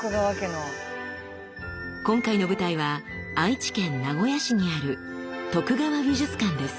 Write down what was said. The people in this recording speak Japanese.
今回の舞台は愛知県名古屋市にある徳川美術館です。